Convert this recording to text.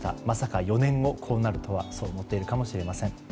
まさか４年後、こうなるとはそう思っているかもしれません。